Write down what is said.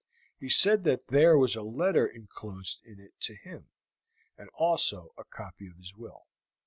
He said that there was a letter inclosed in it to him, and also a copy of his will.